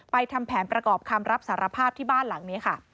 ทำแผนประกอบคำรับสารภาพที่บ้านหลังนี้ค่ะ